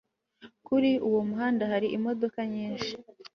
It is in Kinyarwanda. Kuri uwo muhanda hari imodoka nyinshi